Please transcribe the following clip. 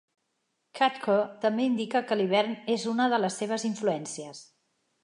Kakko també indica que l'hivern és una de les seves influències.